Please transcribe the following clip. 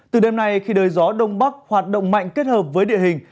từ đêm nay khi đời gió đông bắc hoạt động mạnh kết hợp với địa hình